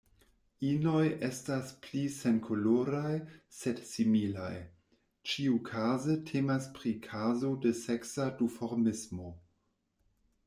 Inoj estas pli senkoloraj, sed similaj; ĉiukaze temas pri kazo de seksa duformismo.